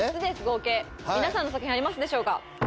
合計皆さんの作品ありますでしょうか？